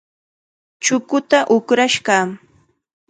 Chukuta uqrash kaa.